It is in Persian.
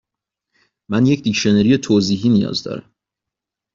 من یک دیکشنری توضیحی نیاز دارم.